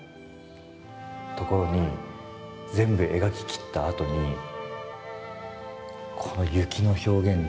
全部描ききったあとにこの雪の表現が。